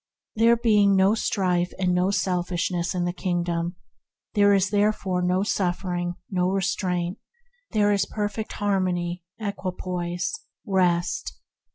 There being no strife and no selfishness in the Kingdom, there is therefore no suffering, no restraint; there is perfect har mony, equipoise, rest.